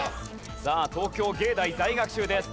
さあ東京藝大在学中です。